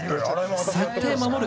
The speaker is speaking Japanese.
設定守る！